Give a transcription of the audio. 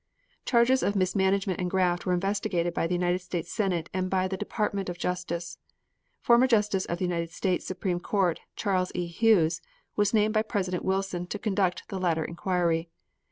Charges of mismanagement and graft were investigated by the United States Senate and by the Department of Justice. Former Justice of the United States Supreme Court Charles E. Hughes was named by President Wilson to conduct the latter inquiry.